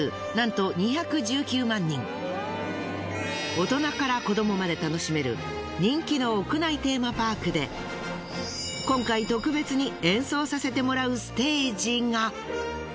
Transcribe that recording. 大人から子どもまで楽しめる人気の屋内テーマパークで今回特別に演奏させてもらうステージが。